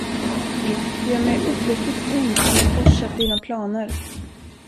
Det gör mig uppriktigt ont om jag korsat dina planer.